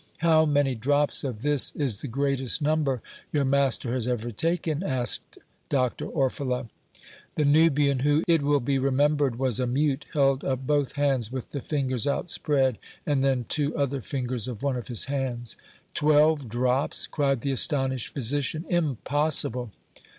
"How many drops of this is the greatest number your master has ever taken?" asked Dr. Orfila. The Nubian, who, it will be remembered, was a mute, held up both hands with the fingers outspread, and then two other fingers of one of his hands. "Twelve drops!" cried the astonished physician. "Impossible!"